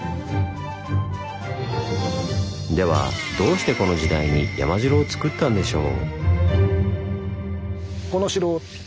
ではどうしてこの時代に山城をつくったんでしょう？